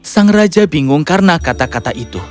sang raja bingung karena kata kata itu